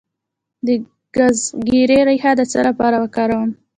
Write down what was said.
د ګزګیرې ریښه د څه لپاره وکاروم؟